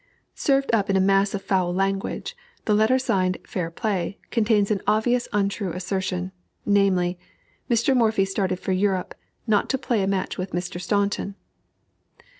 Served up in a mass of foul language, the letter signed "Fair Play," contains an obviously untrue assertion, namely, "Mr. Morphy started for Europe, not to play a match with Mr. Staunton."